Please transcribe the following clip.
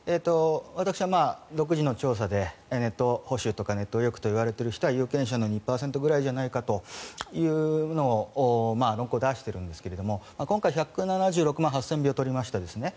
私は独自の調査でネット保守とかネット右翼といわれている人は有権者の２％ぐらいじゃないかというのを論考を出しているんですが今回、票を取りましたよね